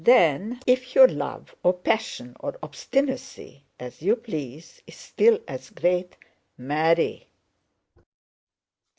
Then if your love or passion or obstinacy—as you please—is still as great, marry!